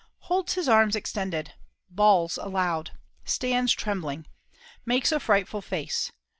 Holds his arms extended. Bawls aloud. Stands trembling. Makes a frightful face.